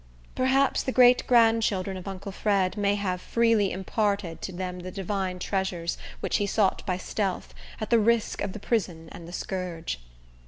Perhaps the great grandchildren of uncle Fred may have freely imparted to them the divine treasures, which he sought by stealth, at the risk of the prison and the scourge.